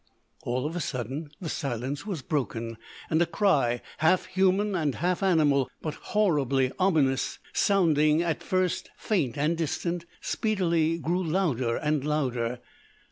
All of a sudden the silence was broken, and a cry, half human and half animal, but horribly ominous, sounding at first faint and distant, speedily grew louder and louder.